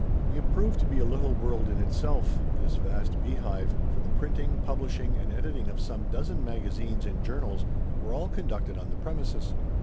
It proved to be a little world in itself, this vast bee hive, for the printing, publishing, and editing of some dozen magazines and journals were all carried on on the premises.